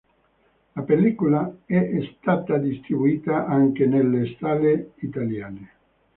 La pellicola è stata distribuita anche nelle sale italiane.